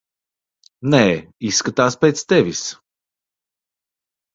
Nē, izskatās pēc tevis.